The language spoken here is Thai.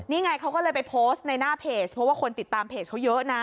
นี่ไงเขาก็เลยไปโพสต์ในหน้าเพจเพราะว่าคนติดตามเพจเขาเยอะนะ